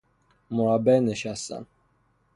مربع نشستن